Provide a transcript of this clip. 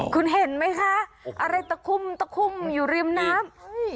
คุณเห็นไหมคะอะไรตะคุ่มตะคุ่มอยู่ริมน้ำ